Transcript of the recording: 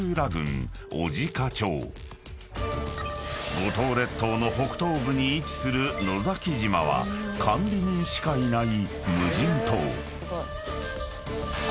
［五島列島の北東部に位置する野崎島は管理人しかいない］